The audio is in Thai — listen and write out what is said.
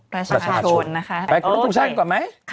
รัฐชาชนไปกับตัวช่างก่อนไหม